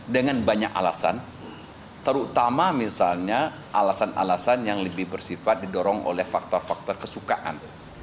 dengan banyak alasan terutama misalnya alasan alasan yang lebih bersifat didorong oleh faktor faktor kesukaan